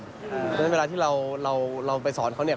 เพราะฉะนั้นเวลาที่เราไปสอนเขาเนี่ย